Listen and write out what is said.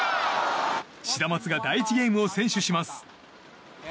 シダマツが第１ゲームを先取します。